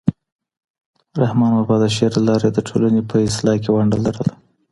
رحمان بابا د شعر له لارې د ټولنې په اصلاح کې ونډه لرله.